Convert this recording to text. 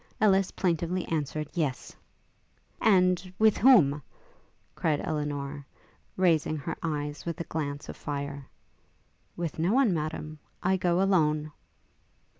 Ellis plaintively answered Yes! 'And ... with whom?' cried Elinor, raising her eyes with a glance of fire. 'With no one, Madam. I go alone.'